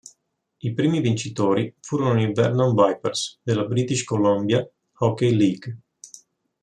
I primi vincitori furono i Vernon Vipers della British Columbia Hockey League.